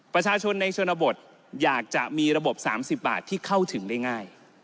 ประชาชนในชนบทอยากจะมีระบบ๓๐บาทที่เข้าถึงได้ง่าย